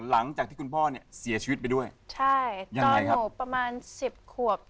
หลังจากที่คุณพ่อเนี่ยเสียชีวิตไปด้วยใช่ตอนหนูประมาณสิบขวบ